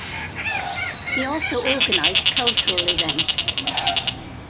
He also organised cultural events.